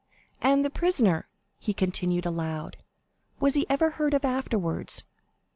And the prisoner," he continued aloud, "was he ever heard of afterwards?"